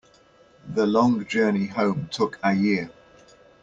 The long journey home took a year.